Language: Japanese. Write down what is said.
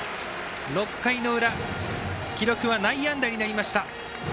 ６回の裏記録は内野安打になりました。